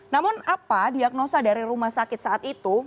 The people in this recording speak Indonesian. namun apa diagnosa dari rumah sakit saat itu